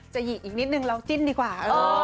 หยิกอีกนิดนึงเราจิ้นดีกว่า